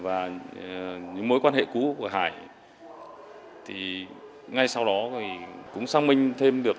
và những mối quan hệ cũ của hải thì ngay sau đó thì cũng xác minh thêm được